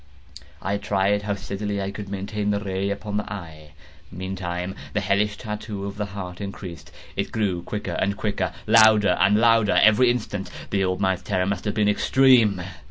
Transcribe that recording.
I tried how steadily I could maintain the ray upon the eve. Meantime the hellish tattoo of the heart increased. It grew quicker and quicker, and louder and louder every instant. The old man's terror must have been extreme!